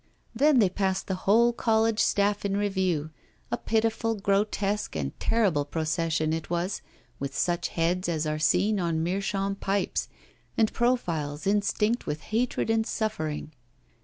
Then they passed the whole college staff in review; a pitiful, grotesque, and terrible procession it was, with such heads as are seen on meerschaum pipes, and profiles instinct with hatred and suffering.